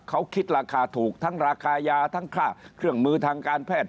เขาคิดราคาถูกทั้งราคายาทั้งค่าเครื่องมือทางการแพทย์